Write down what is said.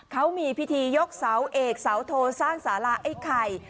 เขามีพิธียกเสาเอกเสาโทสร้างสาราไอ้ไข่